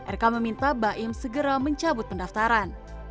rk meminta baim segera mencabut pendaftaran